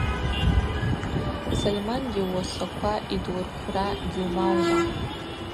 Сольмангьи ууасаква йдуырхӏвра гьумауума?